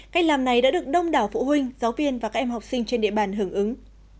cách làm này đã được đông đảo phụ huynh giáo viên và các em học sinh trên địa bàn hưởng ứng